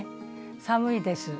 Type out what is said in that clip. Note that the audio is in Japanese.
寒いです。